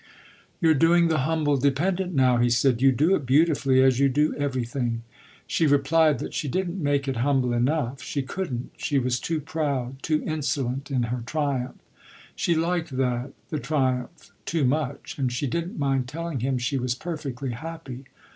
"You're doing the humble dependent now," he said: "you do it beautifully, as you do everything." She replied that she didn't make it humble enough she couldn't; she was too proud, too insolent in her triumph. She liked that, the triumph, too much, and she didn't mind telling him she was perfectly happy.